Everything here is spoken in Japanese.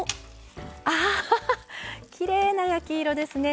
あきれいな焼き色ですね。